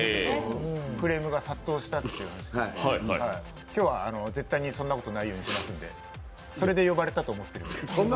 クレームが殺到したという話ですが今日は絶対にそんなことがないようにしますので、それで呼ばれたと思ってます。